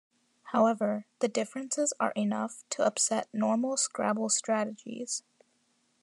However, the differences are enough to upset normal "Scrabble" strategies.